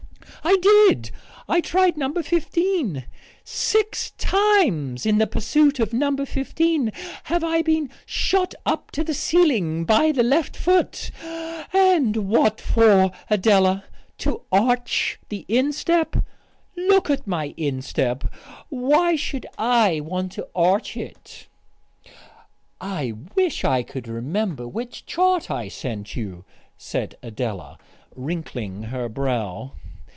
"I did. I tried No. 15. Six times in the pursuit of No. 15 have I been shot up to the ceiling by the left foot ... and what for, Adela? 'To arch the instep'! Look at my instep! Why should I want to arch it?" "I wish I could remember which chart I sent you," said Adela, wrinkling her brow.